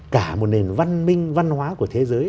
cả một nền văn minh văn hóa của thế giới